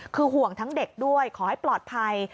คือห่วงทั้งเด็กด้วยขอให้ปลอดภัย